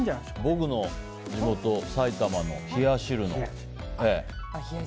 僕の地元・埼玉の冷や汁も。